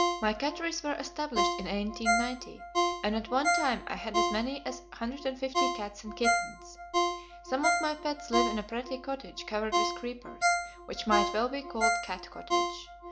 My catteries were established in 1890, and at one time I had as many as 150 cats and kittens. Some of my pets live in a pretty cottage covered with creepers, which might well be called Cat Cottage.